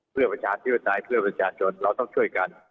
เพื่อประชาธิปไตยเพื่อประชาชนเราต้องช่วยกัน